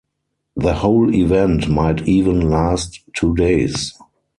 The whole event might even last two days.